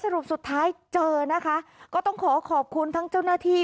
สรุปสุดท้ายเจอนะคะก็ต้องขอขอบคุณทั้งเจ้าหน้าที่